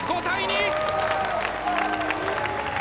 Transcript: ５対２。